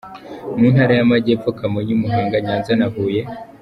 Mu ntara y’Amajyepfo: Kamonyi, Muhanga, Nyanza na Huye .